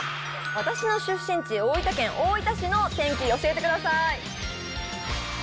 私の出身地、大分県大分市の天気、教えてください。